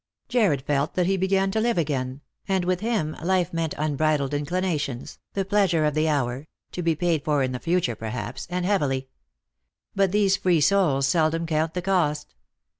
Jarred felt that he began to live again, and with him life meant unbridled inclinations, the pleasure of the hour, to be paid for in the future perhaps, and heavily. But these free souls seldom count the cost.